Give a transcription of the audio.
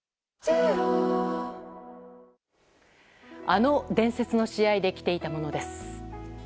あの伝説の試合で着ていたものです。